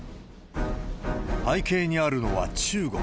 背景にあるのは中国。